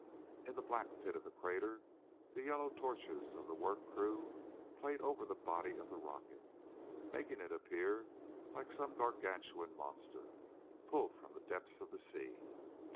In the black pit of the crater the yellow torches of the work crew played over the body of the rocket, making it appear like some gargantuan monster pulled from the depths of the sea.